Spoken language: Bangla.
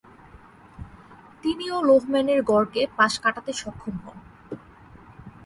তিনি ও লোহম্যানের গড়কে পাশ কাটাতে সক্ষম হন।